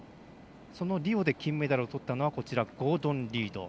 リオで金メダルをとったのはゴードン・リード。